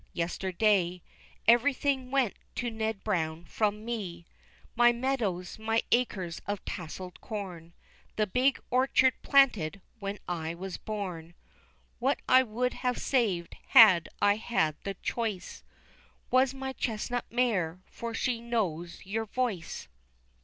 yesterday Everything went to Ned Brown from me; My meadows, my acres of tassled corn, The big orchard planted when I was born. What I would have saved had I had the choice, Was my chestnut mare, for she knows your voice.